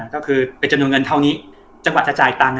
ก็คือเป็นจำนวนเงินเท่านี้จังหวัดจะจ่ายตังค์